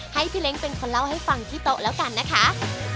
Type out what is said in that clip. ให้พี่เล้งเป็นคนเล่าให้ฟังที่โต๊ะแล้วกันนะคะ